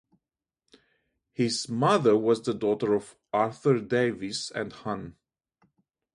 His mother was the daughter of Arthur Davys and Hon.